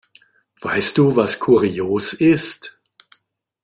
Weißt du, was kurios ist?